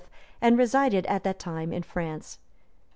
and resided at that time in France.